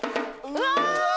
うわ！